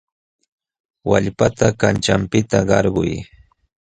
Wallpata kanćhanpiqta alquy.